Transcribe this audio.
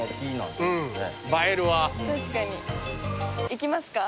行きますか？